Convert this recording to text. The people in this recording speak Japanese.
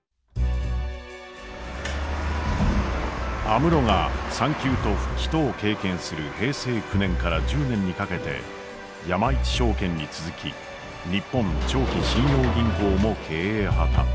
安室が産休と復帰とを経験する平成９年から１０年にかけて山一證券に続き日本長期信用銀行も経営破綻。